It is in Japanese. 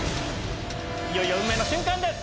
いよいよ運命の瞬間です！